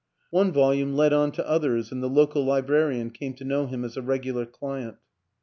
One volume led on to others and the local librarian came to know him as a regular client.